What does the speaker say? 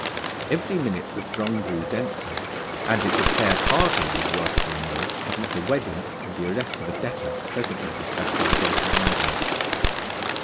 Every minute the throng grew denser, and it had fared hardly with roystering Moll, had not a wedding and the arrest of a debtor presently distracted the gaping idlers.